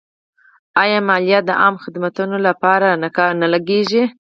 آیا مالیه د عامه خدماتو لپاره نه لګیږي؟